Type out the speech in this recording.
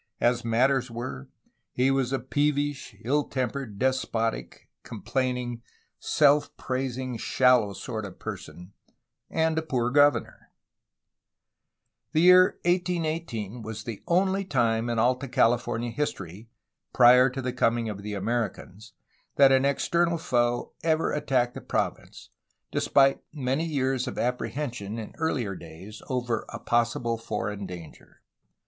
As matters were, he was a peevish, ill tempered, despotic, complaining, self praising, shallow sort of person and a poor governor. ERA OF THE WARS OF INDEPENDENCE, 1810 1822 441 The year 1818 was the only time in Alta California history, prior to the coming of the Americans, that an external foe ever attacked the province, despite many years of appre hension, in earher days, over a possible foreign danger.